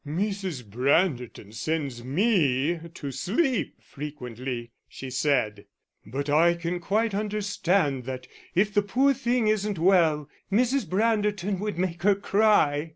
"Mrs. Branderton sends me to sleep frequently," she said; "But I can quite understand that if the poor thing isn't well, Mrs. Branderton would make her cry.